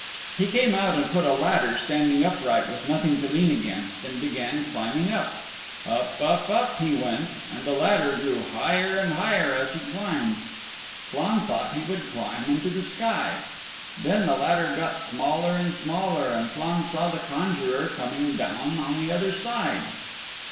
He came out and put a ladder standing upright with nothing to lean against and began climbing up. Up, up, up, he went, and the ladder grew higher and higher as he climbed. Flann thought he would climb into the sky. Then the ladder got smaller and smaller and Flann saw the conjurer coming down on the other side.